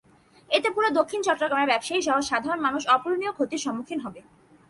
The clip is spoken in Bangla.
এতে পুরো দক্ষিণ চট্টগ্রামের ব্যবসায়ীসহ সাধারণ মানুষ অপূরণীয় ক্ষতির সম্মুখীন হবে।